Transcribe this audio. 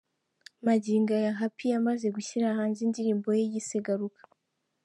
Magingo aya Happy yamaze gushyira hanze indirimbo yise 'Garuka'.